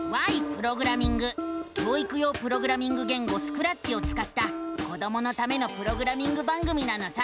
教育用プログラミング言語「スクラッチ」をつかった子どものためのプログラミング番組なのさ！